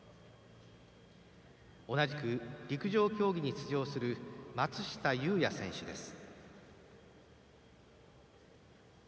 同じく、陸上競技に出場する松下裕哉選手です。